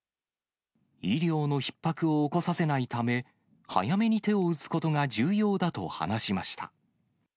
医療のひっ迫を起こさせないため、早めに手を打つことが重要だと話しました。